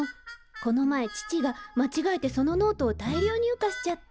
この前父がまちがえてそのノートを大量入荷しちゃって。